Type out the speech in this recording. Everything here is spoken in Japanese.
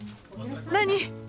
何？